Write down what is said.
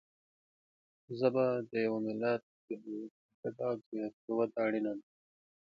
ژبه د یوه ملت د هویت نښه ده او د هغې وده اړینه ده.